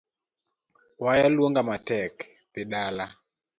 Waya luonga matek.dhi dala.